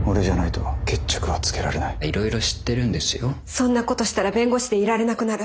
そんなことしたら弁護士でいられなくなる。